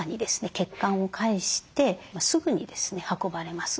血管を介してすぐにですね運ばれます。